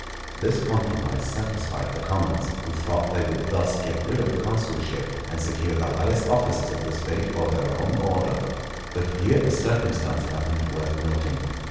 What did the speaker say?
This compromise satisfied the commons, who thought they would thus get rid of the consulship, and secure the highest offices of the State for their own order. But here a circumstance happened worth noting.